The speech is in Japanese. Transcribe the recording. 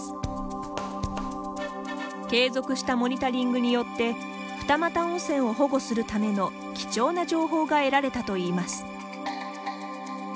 継続したモニタリングによって二岐温泉を保護するための貴重な情報が得られたといいます。